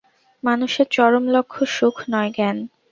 মানুষের চরম লক্ষ্য সুখ নয়, জ্ঞান।